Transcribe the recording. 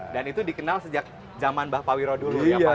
dan itu dikenal sejak zaman mbah pawiro dulu ya pak